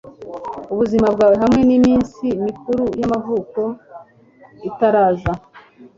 ubuzima bwawe hamwe niminsi mikuru y'amavuko, itaraza